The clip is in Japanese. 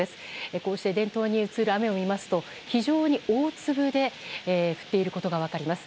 こうして電灯に映る雨を見ますと非常に大粒で降っていることが分かります。